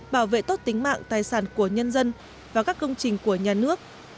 bảo vệ tốt tính mạng tài sản của nhân dân và các công trình của nhà nước